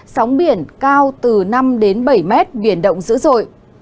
sóng biển cao từ năm đến bảy mét biển động dữ dội